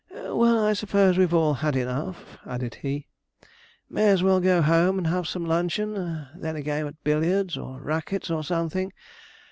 Well, I suppose we've all had enough,' added he, 'may as well go home and have some luncheon, and then a game at billiards, or rackets, or something.